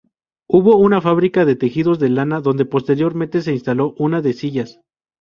Hubo una fábrica de tejidos de lana donde posteriormente se instaló una de sillas.